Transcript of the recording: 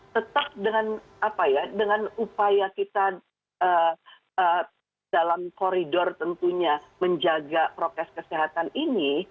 tetap dengan apa ya dengan upaya kita dalam koridor tentunya menjaga protes kesehatan ini